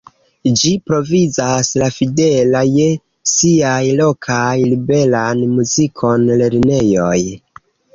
Ĝi provizas la fidela je siaj lokaj liberan muzikon lernejoj.